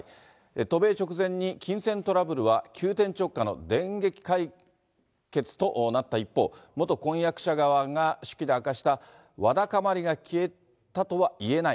渡米直前に金銭トラブルは急転直下の電撃解決となった一方、元婚約者側が手記で明かした、わだかまりが消えたとは言えない。